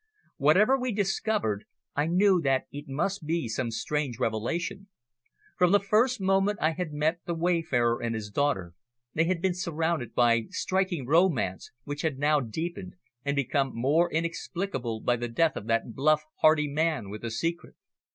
Whatever we discovered I knew that it must be some strange revelation. From the first moment I had met the wayfarer and his daughter, they had been surrounded by striking romance, which had now deepened, and become more inexplicable by the death of that bluff, hearty man with a secret.